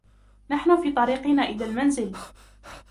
نحن في طريقنا إلى المنزل.